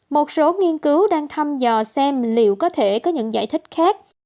một số nghiên cứu đang thăm dò xem liệu có thể có những giải thích khác